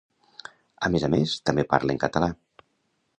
A més a més, també parlen català